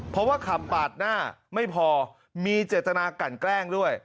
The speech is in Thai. เพราะว่าขับปาดหน้าไม่พอมีเจตนากันแกล้งด้วย